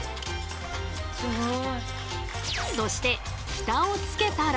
そしてフタを付けたら。